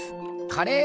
カレー？